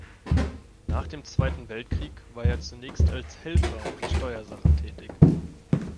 Nach dem Zweiten Weltkrieg war er zunächst als Helfer in Steuersachen tätig.